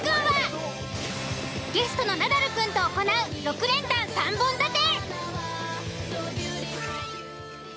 ゲストのナダルくんと行う６連単３本立て。